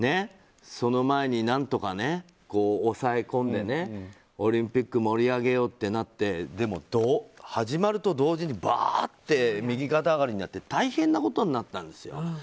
その前に何とか抑え込んでねオリンピックを盛り上げようってなってでも始まると同時にばーって右肩上がりになって大変なことになったんですよ。